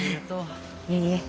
いえいえ。